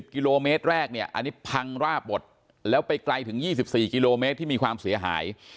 กิโลเมตรแรกเนี่ยอันนี้พังราบหมดแล้วไปไกลถึง๒๔กิโลเมตรที่มีความเสียหาย